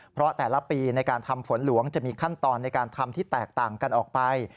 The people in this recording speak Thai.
เพราะแต่ละปีในการทำฝนหลวงจะมีขั้นตอนในการทำที่แตกต่างกันออกไป